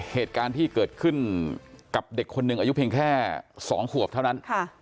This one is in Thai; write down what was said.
เหตุการณ์ที่เกิดขึ้นกับเด็กคนหนึ่งอายุเพียงแค่๒ขวบเท่านั้น